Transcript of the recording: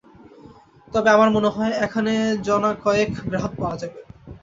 তবে আমার মনে হয়, এখানে জনকয়েক গ্রাহক পাওয়া যাবে।